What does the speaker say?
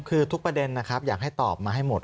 คือทุกประเด็นนะครับอยากให้ตอบมาให้หมด